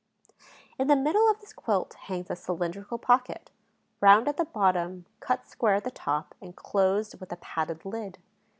In the middle of this quilt hangs a cylindrical pocket, round at the bottom, cut square at the top and closed with a padded lid.